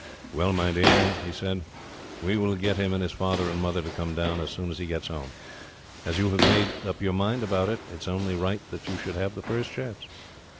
"'Well, my dear,' he said, 'we will get him, and his father and mother, to come down as soon as he gets home. As you have made up your mind about it, it is only right that you should have the first chance.'